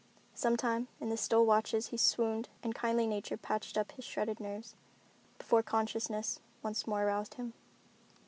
Sometime in the still watches he swooned and kindly nature patched up his shredded nerves, before consciousness once more aroused him.